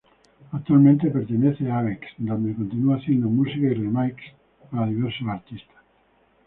Actualmente pertenece a Avex, donde continúa haciendo música y remixes para diversos artistas.